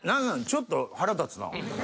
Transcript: ちょっと腹立つな。